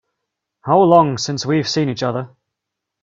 How long since we've seen each other?